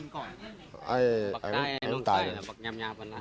แล้วใครเป็นคนฉิงของเจ้าแก่เนี่ย